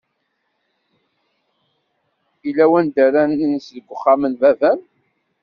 Illa wanda ara nens deg wexxam n baba-m?